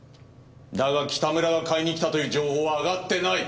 だが北村が買いに来たという情報は上がってない。